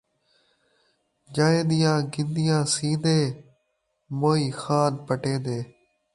جین٘دیاں گن٘دیاں سین٘دے ، موئیں Khan پٹین٘دے